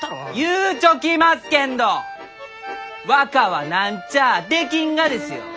言うちょきますけんど若は何ちゃあできんがですよ！